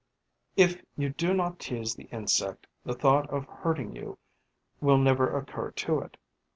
If you do not tease the insect, the thought of hurting you will never occur to it.